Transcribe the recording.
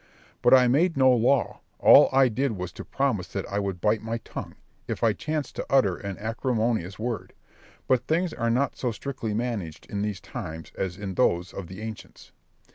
But I made no law; all I did was to promise that I would bite my tongue, if I chanced to utter an acrimonious word; but things are not so strictly managed in these times as in those of the ancients.